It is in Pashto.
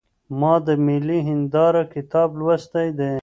ما د ملي هنداره کتاب لوستی دی.